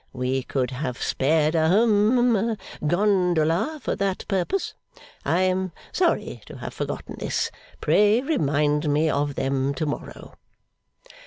We could have spared a hum gondola for that purpose. I am sorry to have forgotten this. Pray remind me of them to morrow.